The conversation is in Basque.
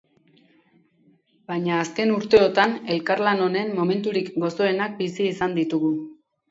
Baina, azken urteotan elkarlan honen momenturik gozoenak bizi izan ditugu.